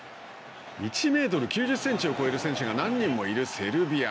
１メートル９０センチを超える選手が何人もいるセルビア。